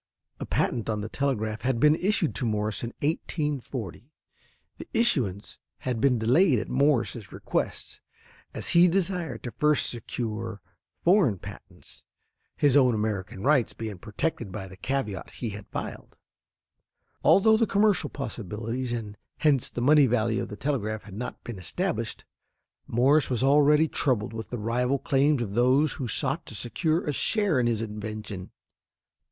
A patent on the telegraph had been issued to Morse in 1840. The issuance had been delayed at Morse's request, as he desired to first secure foreign patents, his own American rights being protected by the caveat he had filed. Although the commercial possibilities, and hence the money value of the telegraph had not been established, Morse was already troubled with the rival claims of those who sought to secure a share in his invention.